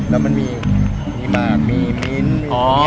แล้วก็มีบาทมีมิ้นต์